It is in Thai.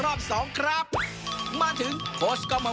โอ้โฮพิษทางขนาดนี้ก็หาบอลไม่เจอหรอกครับพระคุณ